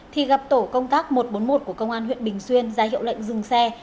thì gặp tổ công tác một trăm bốn mươi một của công an huyện bình xuyên ra hiệu lệnh dừng xe